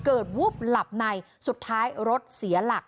วุบหลับในสุดท้ายรถเสียหลัก